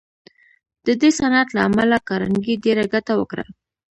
د دې صنعت له امله کارنګي ډېره ګټه وکړه